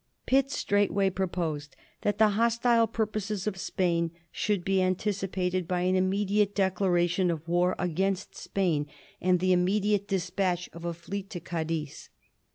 Pitt straightway proposed that the hostile purposes of Spain should be anticipated by an immediate declaration of war against Spain and the immediate despatch of a fleet to Cadiz.